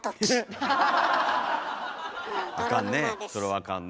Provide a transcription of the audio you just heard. あかんね。